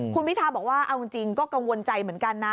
คุณพิทาบอกว่าเอาจริงก็กังวลใจเหมือนกันนะ